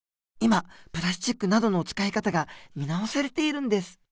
今プラスチックなどの使い方が見直されているんです。